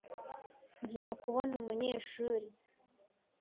Ngiye kubona umunyeshuri.